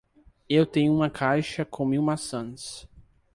Eu tenho uma caixa com mil maçãs